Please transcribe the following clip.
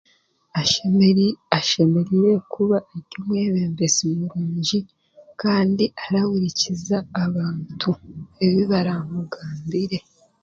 Ashemeri ashemereire kuba ari omwebembezi murungi kandi arahurikiza abantu ebi baramugambire